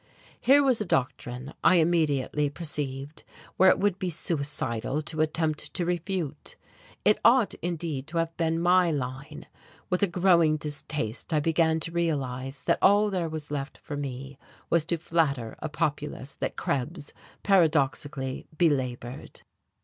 Here was a doctrine, I immediately perceived, which it would be suicidal to attempt to refute. It ought, indeed, to have been my line. With a growing distaste I began to realize that all there was left for me was to flatter a populace that Krebs, paradoxically, belaboured.